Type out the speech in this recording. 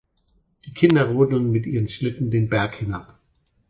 Die Kinder rodeln mit ihren Schlitten den Berg hinab.